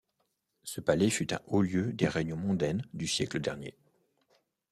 Ce palais fut un haut lieu des réunions mondaines du siècle dernier.